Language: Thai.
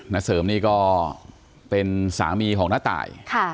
ณเสริมนี่ก็เป็นสามีของน้าตาย